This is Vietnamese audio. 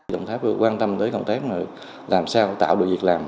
đồng tháp quan tâm tới công tác làm sao tạo được việc làm